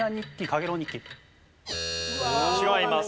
違います。